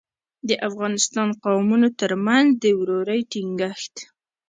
د افغانستان قومونو ترمنځ د ورورۍ ټینګښت.